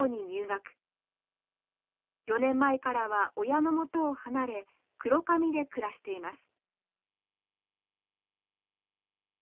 ４年前からは親のもとを離れ黒神で暮らしています。